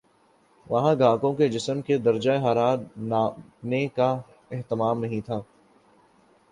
وہاں گاہکوں کے جسم کے درجہ حرارت ناپنے کا اہتمام نہیں تھا